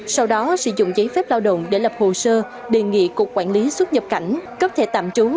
sau đó sử dụng giấy phép lao động để lập hồ sơ đề nghị cục quản lý xuất nhập cảnh cấp thẻ tạm trú